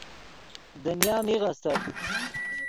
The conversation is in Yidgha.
دنیا میغ استت